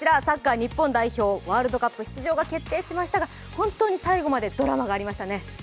サッカー日本代表、ワールドカップ出場が決定しましたが、本当に最後までドラマがありましたね。